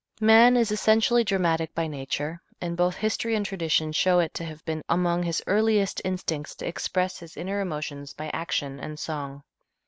Man is essentially dramatic by nature, and both history and tradition show it to have been among his earliest instincts to express his inner emotions by action and song.